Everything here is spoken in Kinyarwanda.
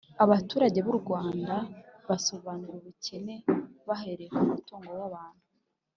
abaturage b'u rwanda basobanura ubukene bahereye ku mutungo w'abantu,